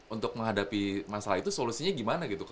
untuk menghadapi masalah itu solusinya gimana gitu